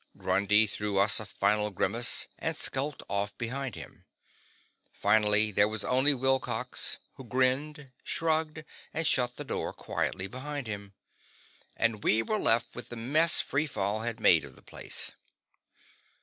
Grundy threw us a final grimace and skulked off behind him. Finally there was only Wilcox, who grinned, shrugged, and shut the door quietly behind him. And we were left with the mess free fall had made of the place.